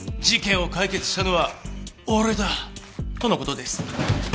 事件を解決したのは俺だ！」。との事です。